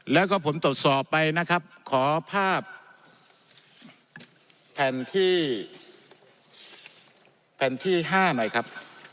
แล้วก็ผมตรวจสอบไปนะครับขอภาพแผ่นที่แผ่นที่๕หน่อยครับ